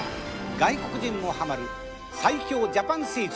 外国人もハマる最強ジャパンスイーツ